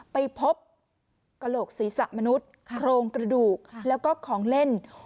ไปพบกระโหลกศีรษะมนุษย์โครงกระดูกแล้วก็ของเล่น